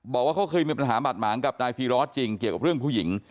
บอกว่าเขาเคยมีปัญหาบาดหมางกับนายฟีรอสจริงเกี่ยวกับเรื่องผู้หญิง